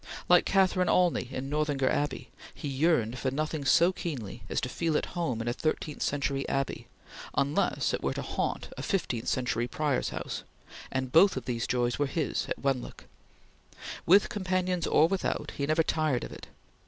Like Catherine Olney in "Northanger Abbey," he yearned for nothing so keenly as to feel at home in a thirteenth century Abbey, unless it were to haunt a fifteenth century Prior's House, and both these joys were his at Wenlock. With companions or without, he never tired of it.